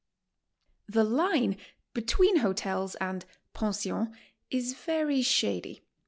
The line between hotels and pensions is very shady.